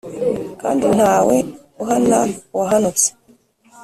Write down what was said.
Kandi ntawe uhana uwahanutse!